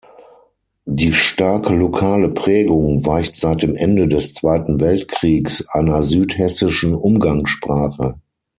Die starke lokale Prägung weicht seit dem Ende des Zweiten Weltkriegs einer südhessischen Umgangssprache.